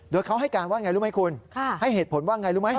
โดยเขาให้การว่าอย่างไรรู้ไหมคุณให้เหตุผลว่าอย่างไรรู้ไหม